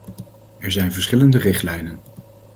Er zijn verschillende richtlijnen.